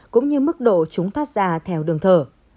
cũng như mức độ chúng thoát ra theo đường thở